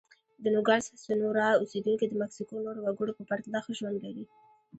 د نوګالس سونورا اوسېدونکي د مکسیکو نورو وګړو په پرتله ښه ژوند لري.